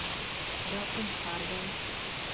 دا کوم ښار دی؟